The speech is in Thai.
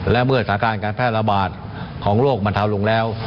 และเมื่อสถานการณ์การแพร่ระบาดของโรคบรรเทาลงแล้ว